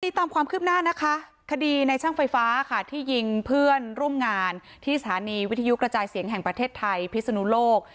ตามความคืบหน้านะคะคดีในช่างไฟฟ้าค่ะที่ยิงเพื่อนร่วมงานที่สถานีวิทยุกระจายเสียงแห่งประเทศไทยพิศนุโลก